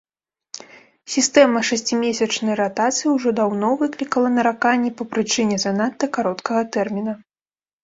Сістэма шасцімесячнай ратацыі ўжо даўно выклікала нараканні па прычыне занадта кароткага тэрміна.